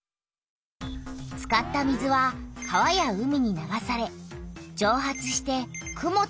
使った水は川や海に流されじょう発して雲となる。